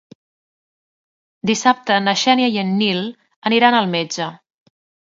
Dissabte na Xènia i en Nil aniran al metge.